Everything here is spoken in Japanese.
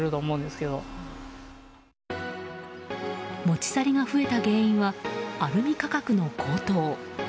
持ち去りが増えた原因はアルミ価格の高騰。